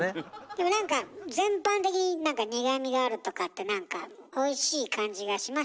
でもなんか全般的に苦みがあるとかってなんかおいしい感じがしましたね。